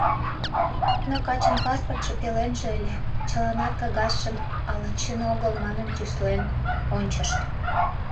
Но качын паспортшо пеленже ыле, чыланат кагазшым «ала чын огыл» манын тӱслен ончышт.